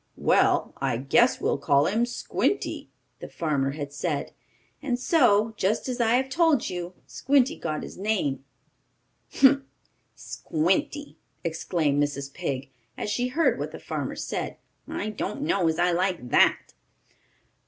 "Well, I guess we'll call him Squinty," the farmer had said. And so, just as I have told you, Squinty got his name. "Humph! Squinty!" exclaimed Mrs. Pig, as she heard what the farmer said. "I don't know as I like that."